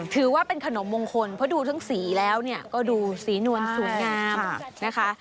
ถือว่าเป็นขนมมงคลเพราะดูทั้งสีแล้วก็ดูสีนวลสวยงามนะคะ